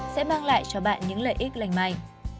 sẽ mang lại cho bạn những lợi ích lành mạnh